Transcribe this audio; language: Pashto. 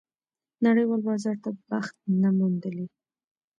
نړېوال بازار ته بخت نه موندلی.